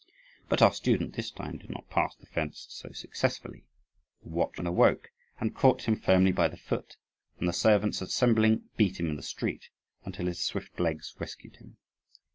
But our student this time did not pass the fence so successfully. The watchman awoke, and caught him firmly by the foot; and the servants, assembling, beat him in the street, until his swift legs rescued him.